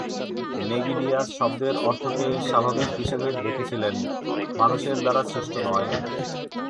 Nigidius শব্দের অর্থকে স্বাভাবিক হিসেবে দেখেছিলেন, মানুষের দ্বারা সৃষ্ট নয়।